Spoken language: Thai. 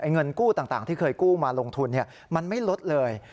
เงินกู้ต่างที่เคยกู้มาลงทุนมันไม่ลดเลย